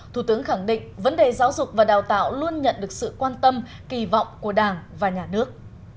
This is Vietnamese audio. thủ tướng khẳng định vấn đề giáo dục và đào tạo luôn nhận được sự quan tâm kỳ vọng của đảng và nhà nước